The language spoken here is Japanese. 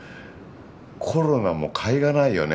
コロナも甲斐がないよね